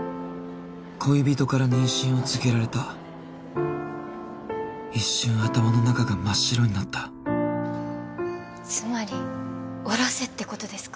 恋人から妊娠を告げられた一瞬頭の中が真っ白になったつまりおろせってことですか？